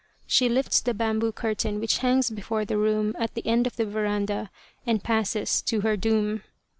She lifts the bamboo curtain which hangs before the room at the end of the veranda and passes to her doom.